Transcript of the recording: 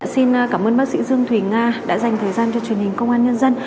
xin cảm ơn bác sĩ dương thùy nga đã dành thời gian cho truyền hình công an nhân dân